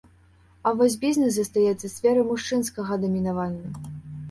А вось бізнэс застаецца сферай мужчынскага дамінавання.